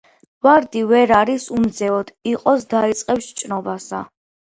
ვარდი ვერ არის უმზეოდ, იყოს, დაიწყებს ჭნობასა